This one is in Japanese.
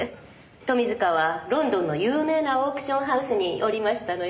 富塚はロンドンの有名なオークションハウスにおりましたのよ。